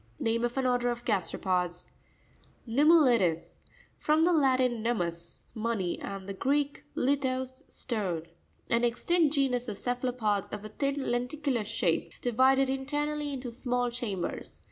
Name of an order of gasteropods. Noummu.i'res.—F rom the Latin num mus, money, and the Greek, lithos, stone. An extinct genus of cepha lopods, of a thin lenticular shape, divided internally into small cham bers.